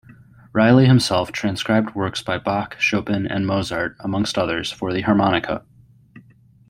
Reilly himself transcribed works by Bach, Chopin and Mozart amongst others, for the harmonica.